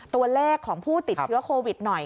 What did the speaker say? ตัวเลขของผู้ติดเชื้อโควิดหน่อย